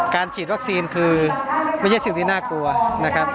ฉีดวัคซีนคือไม่ใช่สิ่งที่น่ากลัวนะครับ